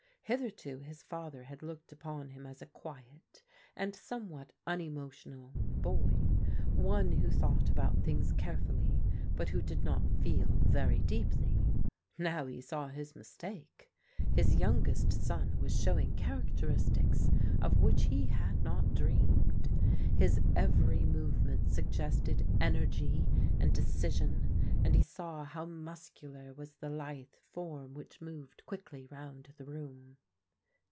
Hitherto his father had looked upon him as a quiet^ and somewhat unemo tional boy — one who thought about things carefully, but who did not feel very deeply. Now he saw his mistake. His yotmgest son was showing characteristics of which he had not dreamed. His every movement suggested energy and decision, and he saw how muscular was the lithe form which moved quickly rotmd the room.